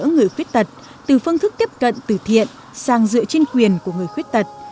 người khuyết tật từ phương thức tiếp cận từ thiện sang dựa trên quyền của người khuyết tật